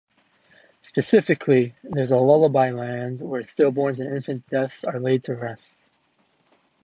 Specifically, there is "Lullabye Land" where stillborns and infant deaths are laid to rest.